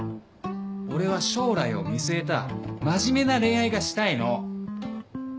俺は将来を見据えた真面目な恋愛がしたいの！